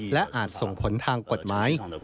และอาจส่งผลทางกฎหมาย